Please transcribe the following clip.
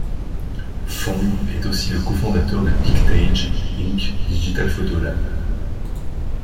Fong est aussi le cofondateur de Pictage, Inc's Digital Photo Lab.